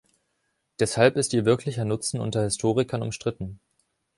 Deshalb ist ihr wirklicher Nutzen unter Historikern umstritten.